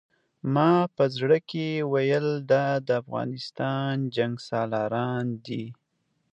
ما په زړه کې ویل دا د افغانستان جنګسالاران دي.